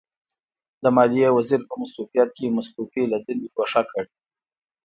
د ماليې وزیر په مستوفیت کې مستوفي له دندې ګوښه کړ.